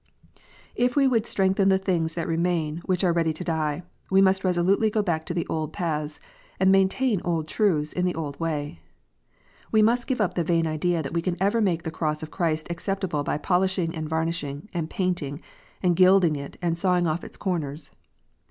If we would "strengthen the things that remain which are ready to die," we must resolutely go back to the old paths, and maintain old truths in the old way. We must give up the vain idea that we can ever make the Cross of Christ acceptable by polishing, and varnishing, and painting, and gilding it, and sawing off its corners.